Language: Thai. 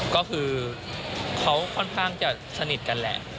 ก็คือเขาค่อนข้างจะสนิทกันแหละ